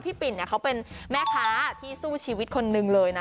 ปิ่นเขาเป็นแม่ค้าที่สู้ชีวิตคนหนึ่งเลยนะ